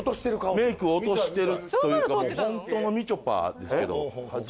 メイク落としてるというかホントのみちょぱですけど。